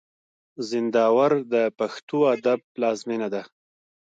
زينداور د پښتو ادب پلازمېنه ده.